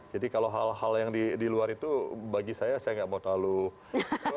jadi kalau hal hal yang di luar itu bagi saya saya tidak mau terlalu besar lagi